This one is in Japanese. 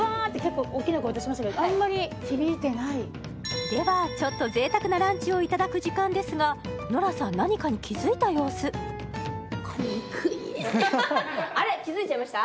あんまり響いてないではちょっと贅沢なランチをいただく時間ですがノラさん何かに気付いた様子あれっ気付いちゃいました？